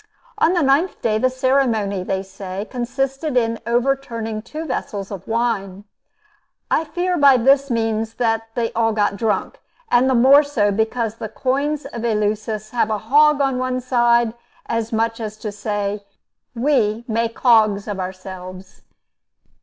On the ninth day, the ceremony, they say, consisted in overturning two vessels of wine. I fear by this means that they all got drunk; and the more so, because the coins of Eleusis have a hog on one side, as much as to say, We make hogs of ourselves.